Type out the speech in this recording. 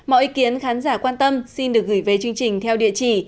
ê kiến khán giả quan tâm xin được gửi về chương trình theo địa chỉ